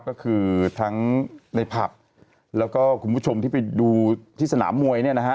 ก็คือทั้งในผับแล้วก็คุณผู้ชมที่ไปดูที่สนามมวยเนี่ยนะฮะ